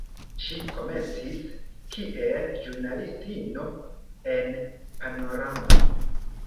Ŝi komencis kiel ĵurnalistino en "Panorama".